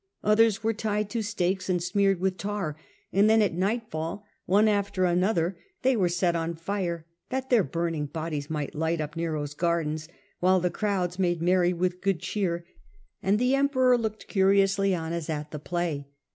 Others were tied to stakes and smeared with tar, and then at nightfall, one after another, they were set on ^ fire, that their burning bodies might light up nient of Nero's gardens, while the crowds made merry tortunng" with good cheer, and the Emperor looked curiously on as at the play.